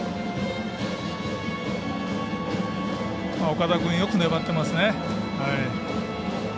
岡田君、よく粘ってますね。